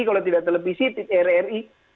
kalau tidak televisi rri